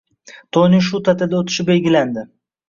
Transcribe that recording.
To'yning shu ta'tilda o'tishi belgilandi.